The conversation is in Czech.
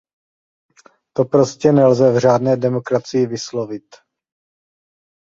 To prostě nelze v řádné demokracii vyslovit.